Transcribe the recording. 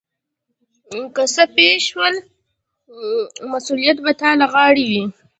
که څه پیښ شول مسؤلیت به تا له غاړې وي.